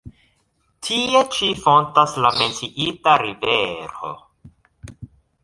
Tie ĉi fontas la menciita rivero.